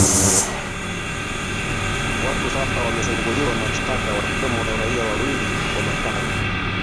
watu saba wamefunguliwa mashtaka wakiwemo raia wawili wa marekani